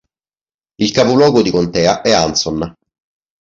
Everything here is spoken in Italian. Il capoluogo di contea è Anson.